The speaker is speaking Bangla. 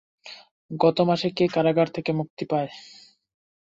গত মাসে সে কারাগার থেকে মুক্তি পায়।